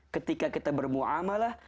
ketika kita bermu'amalah